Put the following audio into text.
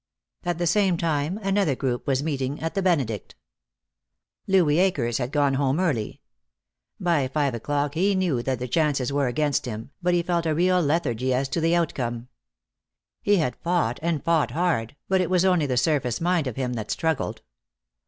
At the same time another group was meeting at the Benedict. Louis Akers had gone home early. By five o'clock he knew that the chances were against him, but he felt a real lethargy as to the outcome. He had fought, and fought hard, but it was only the surface mind of him that struggled.